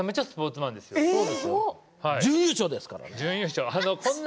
準優勝ですから。